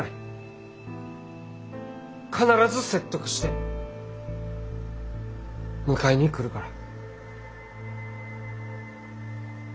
必ず説得して迎えに来るから。